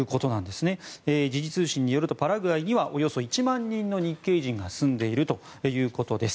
時事通信によるとパラグアイにはおよそ１万人の日系人が住んでいるということです。